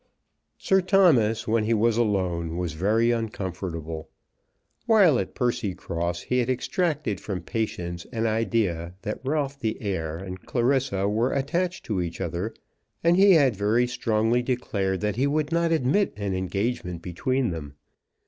Sir Thomas, when he was alone, was very uncomfortable. While at Percycross he had extracted from Patience an idea that Ralph the heir and Clarissa were attached to each other, and he had very strongly declared that he would not admit an engagement between them.